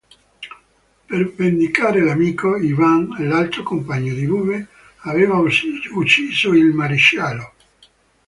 Per vendicare l'amico, Ivan, l'altro compagno di Bube, aveva ucciso il maresciallo.